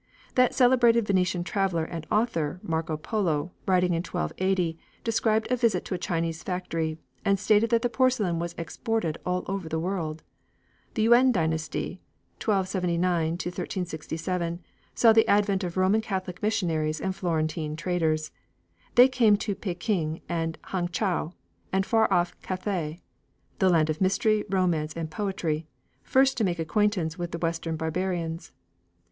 That celebrated Venetian traveller and author, Marco Polo, writing in 1280, described a visit to a Chinese factory, and stated that the porcelain was exported all over the world. The Yuen dynasty (1279 1367) saw the advent of Roman Catholic missionaries and Florentine traders. They came to Pekin and Hang chow; and far off Cathay, the land of mystery, romance, and poetry, first made acquaintance with the Western barbarians.